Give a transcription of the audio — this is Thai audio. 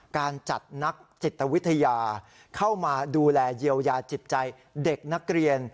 การจัดนักจิตวิทยาเข้ามาดูแลเยียวยาจิตใจเด็กนักเรียน